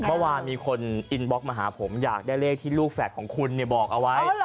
เมื่อวานมีคนอินบล็อกมาหาผมอยากได้เลขที่ลูกแฝดของคุณบอกเอาไว้